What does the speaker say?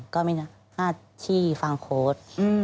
ก็มีหน้าที่ฟังโค้ด